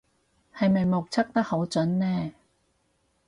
係咪目測得好準呢